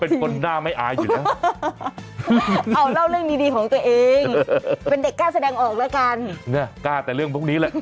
เป็นคนหน้าไม่อายอยู่แล้ว